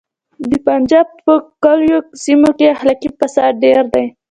د پنجاب په کلیوالو سیمو کې اخلاقي فساد ډیر دی